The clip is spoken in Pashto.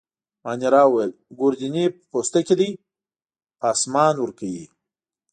مانیرا وویل: ګوردیني په پوسته کي دی، پاسمان ورکوي.